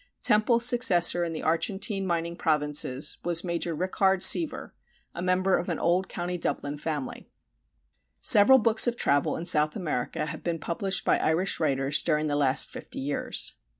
Temple's successor in the Argentine mining provinces was Major Rickard Seaver, a member of an old Co. Dublin family. Several books of travel in South America have been published by Irish writers during the last fifty years.